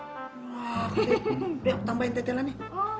wah gede biar aku tambahin tetelannya